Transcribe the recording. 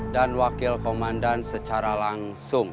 dan wakil komandan secara langsung